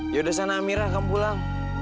yaudah sana amira kamu pulang